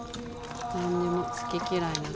何でも好き嫌いなく。